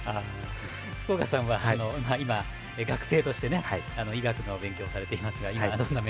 福岡さんは学生として医学の勉強をされていますが。